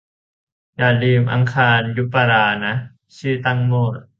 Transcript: อย่าลืมดู 'อังคารยุปราคา' นะ - ชื่อตั้งมั่ว